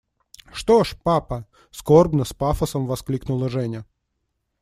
– Что ж, папа! – скорбно, с пафосом воскликнула Женя.